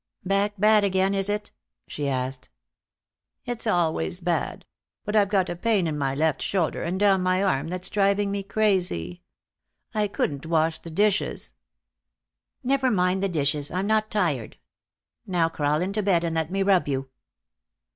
"Back bad again, is it?" she asked. "It's always bad. But I've got a pain in my left shoulder and down my arm that's driving me crazy. I couldn't wash the dishes." "Never mind the dishes. I'm not tired. Now crawl into bed and let me rub you."